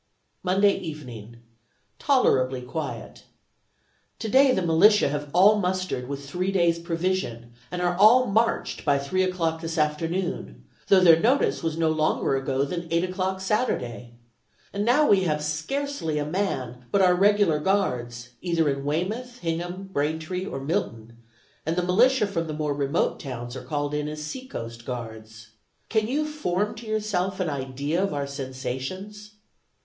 "Monday evening. Tolerably quiet. Today the militia have all mustered, with three days' provision, and are all marched by three o'clock this afternoon, though their notice was no longer ago than eight o'clock Saturday. And now we have scarcely a man, but our regular guards, either in Weymouth, Hingham, Braintree, or Milton, and the militia from the more remote towns are called in as seacoast guards. Can you form to yourself an idea of our sensations?